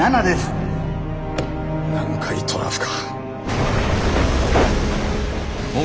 南海トラフか。